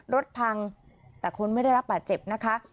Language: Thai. รถพังแต่คนไม่ได้รับบาดเจ็บนะคะ